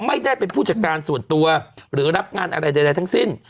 ไม่ได้เป็นผู้จัดการส่วนตัวหรือรับงานอะไรใดทั้งสิ้น